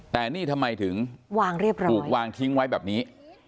แต่นี่ทำไมถึงวางเรียบร้อยถูกวางทิ้งไว้แบบนี้